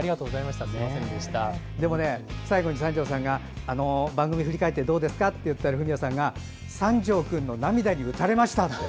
でも、最後に三條さんが番組振り返ってどうですかって言ったらフミヤさんが三條君の涙に打たれましたと。